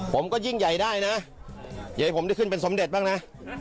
ผมก็ยิ่งใหญ่ได้นะเดี๋ยวให้ผมได้ขึ้นเป็นสมเด็จบ้างนะ